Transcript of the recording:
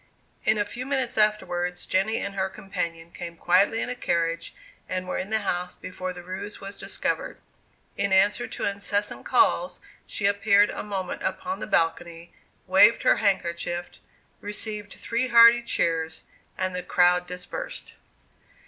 In a few minutes afterwards, Jenny and her companion came quietly in a carriage, and were in the house before the ruse was discovered. In answer to incessant calls, she appeared a moment upon the balcony, waved her handkerchief, received three hearty cheers, and the crowd dispersed.